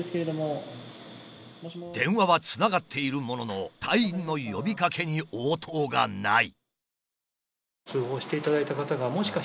電話はつながっているものの隊員の呼びかけに応答がない。